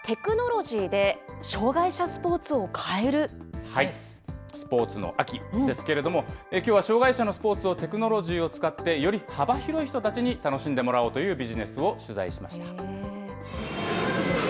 テクノロジーで障害者スポーツをスポーツの秋ですけれども、きょうは障害者のスポーツをテクノロジーを使ってより幅広い人たちに楽しんでもらおうというビジネスを取材しました。